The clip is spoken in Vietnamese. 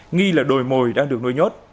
nghi là đồi mồi đang được nuôi nhốt